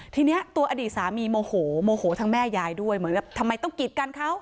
ทีนี้ตัวอดีตสามีโมโหโมโหทั้งแม่ยายด้วยเหมือนกับทำไมต้องกีดกันเขา